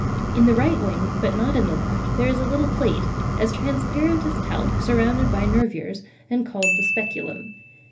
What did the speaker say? In the right wing, but not in the left, there is a little plate, as transparent as talc, surrounded by nervures, and called the speculum.